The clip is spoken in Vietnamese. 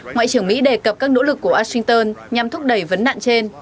ngoại trưởng mỹ đề cập các nỗ lực của washington nhằm thúc đẩy vấn nạn trên